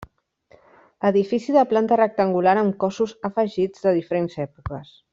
Edifici de planta rectangular amb cossos afegits de diferents èpoques.